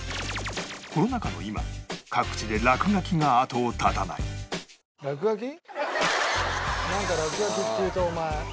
コロナ禍の今各地で落書きが後を絶たないなんか落書きっていうとお前。